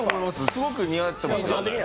すごく似合っていますよ。